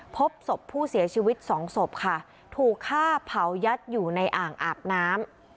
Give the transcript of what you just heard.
พบศพผู้เสียชีวิตสองศพค่ะถูกฆ่าเผายัดอยู่ในอ่างอาบน้ำ